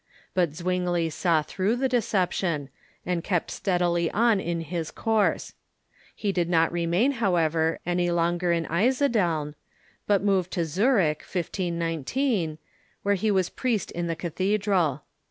But Zwingli saw through the deception, and kept steadily on in his course. He did not remain, however, any longer in Einsiedeln, but removed to Zurich (1519), where he was priest in the cathedral.